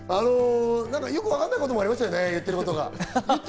よくわかんないこともありましたよね、言ってることが。